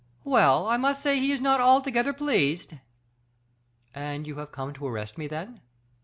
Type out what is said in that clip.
"Well, I must say he is not altogether pleased." "And you have come to arrest me, then?"